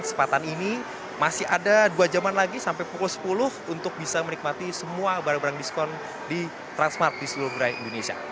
kesempatan ini masih ada dua jaman lagi sampai pukul sepuluh untuk bisa menikmati semua barang barang diskon di transmart di seluruh gerai indonesia